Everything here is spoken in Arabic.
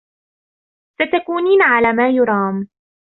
ستکونین علی ما یرام.